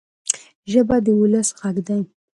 ژبه د ولس ږغ دی.